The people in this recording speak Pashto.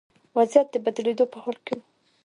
وضعیت د بدلېدو په حال کې و.